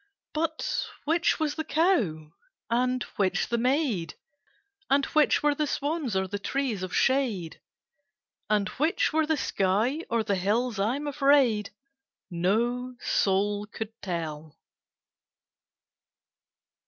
But which was the cow and which the maid, And which were the swans or the trees of shade, And which were the sky or the hills, I'm afraid, No soul could tell.